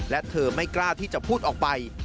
และเธอไม่กล้าที่จะพูดออกไป